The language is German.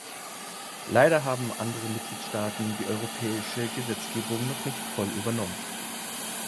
Leider haben andere Mitgliedstaaten die europäische Gesetzgebung noch nicht voll übernommen.